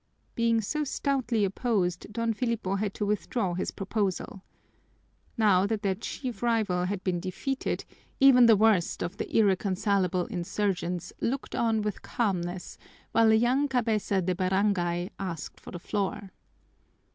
Being so stoutly opposed, Don Filipo had to withdraw his proposal. Now that their chief rival had been defeated, even the worst of the irreconcilable insurgents looked on with calmness while a young cabeza de barangay asked for the floor.